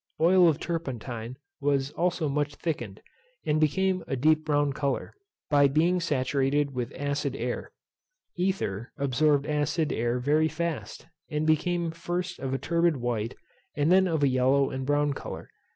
Oil of turpentine was also much thickened, and became of a deep brown colour, by being saturated with acid air. Ether absorbed acid air very fast, and became first of a turbid white, and then of a yellow and brown colour.